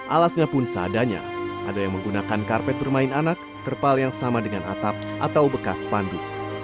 alasnya pun seadanya ada yang menggunakan karpet bermain anak terpal yang sama dengan atap atau bekas panduk